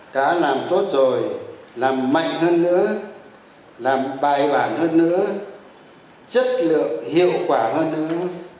đã làm tốt rồi làm mạnh hơn nữa làm bài bản hơn nữa chất lượng hiệu quả hơn nữa